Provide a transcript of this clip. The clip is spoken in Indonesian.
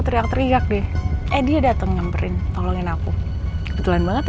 teriak teriak deh eh dia dateng nyamperin tolongin aku kebetulan banget ya